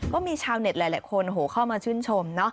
ก็มีชาวเน็ตหลายคนเข้ามาชื่นชมเนอะ